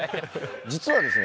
実はですね